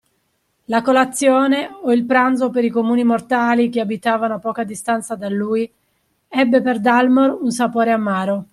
La colazione, o il pranzo per i comuni mortali che abitavano a poca distanza da lui, ebbe per Dalmor un sapore amaro